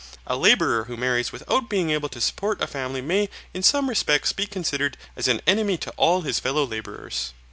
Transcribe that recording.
A labourer who marries without being able to support a family may in some respects be considered as an enemy to all his fellow labourers.